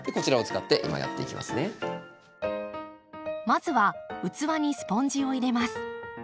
まずは器にスポンジを入れます。